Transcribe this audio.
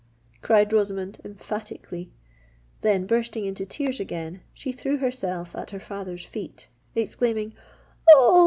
cried Rosamond emphatically: then, bursting into tears again, she threw herself at her father's feet, exclaiming, "Oh!